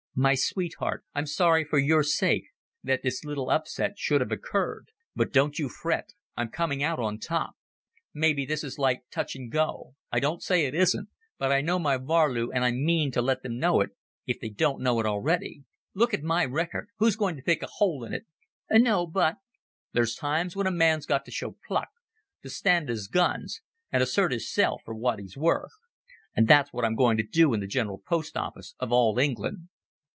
"My sweetheart, I'm sorry, for your sake, that this little upset should have occurred. But don't you fret. I'm coming out on top. Maybe, this is like touch and go. I don't say it isn't. But I know my vaarlue and I mean to let them know it, if they don't know it already. Look at my record! Who's goin' to pick a hole in it?" "No, but " "There's times when a man's got to show pluck to stan' to's guns, and assert hisself for what he's worth. And that's what I'm going to do in the General Post Office of all England."